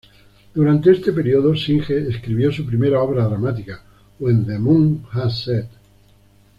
Durante este período, Synge escribió su primera obra dramática, "When the Moon has Set".